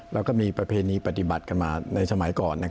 แล้วก็มีประเพณีปฏิบัติกันมาในสมัยก่อน